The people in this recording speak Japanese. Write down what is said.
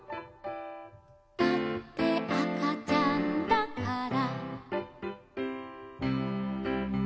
「だってあかちゃんだから」